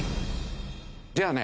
じゃあね